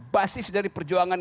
basis dari perjuangan